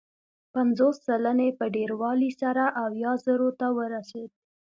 پنځوس سلنې په ډېروالي سره اویا زرو ته ورسېد.